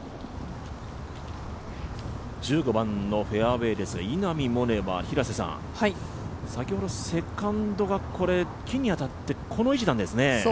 １５番のフェアウエーですが稲見萌寧は、先ほどセカンドが木に当たってこの位置なんですね。